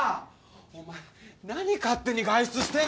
お前何勝手に外出してんだ！